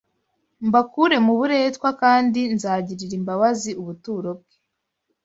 mbakure mu buretwa kandi nzagirira imbabazi ubuturo bwe